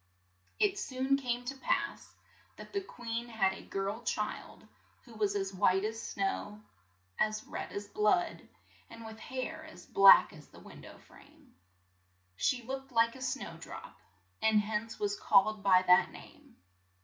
It soon came to pass that the queen had a girl child who was as white as snow, as red as blood, and with hair as black as the win dow frame. She looked like a snowdrop, and hence was called by that name.